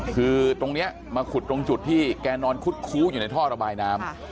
คือตรงนี้มาขุดตรงจุดที่แกนอนคุดคู้อยู่ในท่อระบายน้ำ